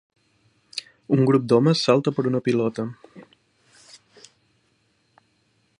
Un grup d'homes salta per una pilota